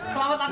selamat pagi ya